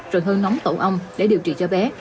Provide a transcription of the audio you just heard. rồi hương nóng tổ ong để điều trị cho bé